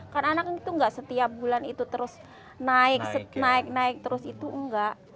karena anak itu nggak setiap bulan itu terus naik naik naik terus itu nggak